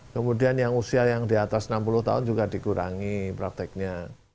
kemudian yang usia yang di atas enam puluh tahun juga dikurangi prakteknya